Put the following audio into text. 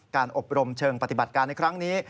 อบรมเชิงปฏิบัติการในครั้งนี้